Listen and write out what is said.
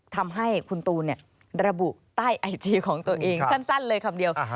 ทำให้คุณตูนระบุใต้ไอจีของตัวเองสั้นเลยคำเดียว